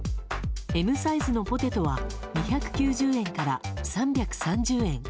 Ｍサイズのポテトは２９０円から３３０円。